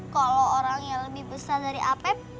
kalau orang yang lebih besar dari apep